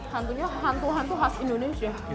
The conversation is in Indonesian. hantunya hantu hantu khas indonesia